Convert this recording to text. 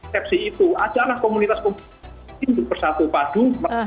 sepsis itu adalah komunitas komunitas bersatu padu